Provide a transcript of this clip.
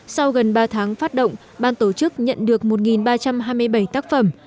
sau gần ba tháng phát động ban tổ chức nhận được một ba trăm hai mươi bảy tác phẩm